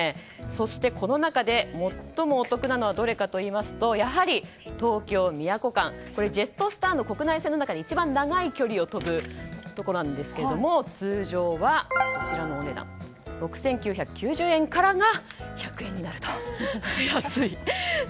そして、この中で最もお得なのはどれかといいますとやはり東京宮古間ジェットスターの国内線の中で一番長い距離を飛ぶところですが通常は６９９０円からが１００円になると。